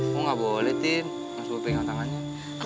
kok enggak boleh tin mas bobi ngotakannya